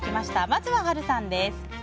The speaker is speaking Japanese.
まずは波瑠さんです。